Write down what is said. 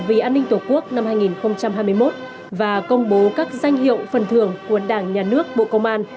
vì an ninh tổ quốc năm hai nghìn hai mươi một và công bố các danh hiệu phần thưởng của đảng nhà nước bộ công an